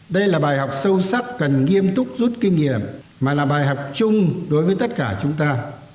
đây là bài học sâu sắc cần nghiêm túc rút kinh nghiệm mà là bài học chung đối với tất cả chúng ta